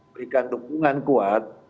berikan dukungan kuat